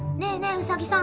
ウサギさん。